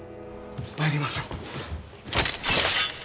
参りましょう。